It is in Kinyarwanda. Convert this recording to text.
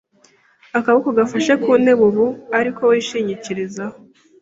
akaboko gafashe ku ntebe ube ariko wishingikirizaho